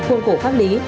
khuôn khổ pháp lý